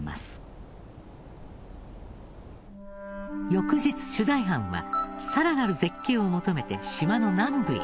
翌日取材班は更なる絶景を求めて島の南部へ。